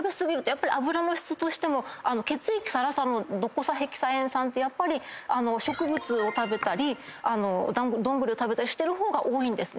やっぱり脂の質としても血液サラサラのドコサヘキサエン酸ってやっぱり植物を食べたりどんぐりを食べたりしてる方が多いんですね。